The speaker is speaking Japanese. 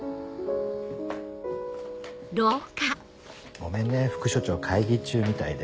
ごめんね副署長会議中みたいで。